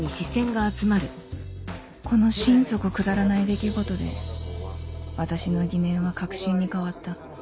この心底くだらない出来事で私の疑念は確信に変わった